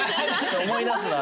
思い出すなあ。